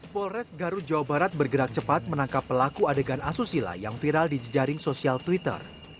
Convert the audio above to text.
polres garut jawa barat bergerak cepat menangkap pelaku adegan asusila yang viral di jejaring sosial twitter